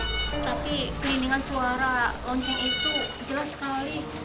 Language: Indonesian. tapi keliningan suara lonceng itu jelas sekali